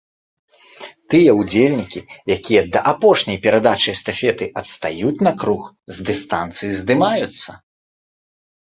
Тыя ўдзельнікі, якія да апошняй перадачы эстафеты адстаюць на круг, з дыстанцыі здымаюцца.